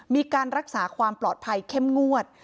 มีการรักษาความปลอดภัยเข้มงวด